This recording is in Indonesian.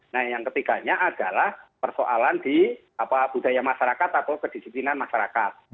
nah yang ketiganya adalah persoalan di budaya masyarakat atau kedisiplinan masyarakat